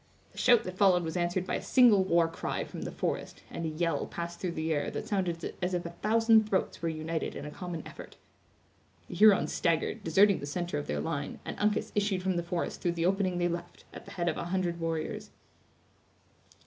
The shout that followed was answered by a single war cry from the forest, and a yell passed through the air that sounded as if a thousand throats were united in a common effort. The Hurons staggered, deserting the center of their line, and Uncas issued from the forest through the opening they left, at the head of a hundred warriors.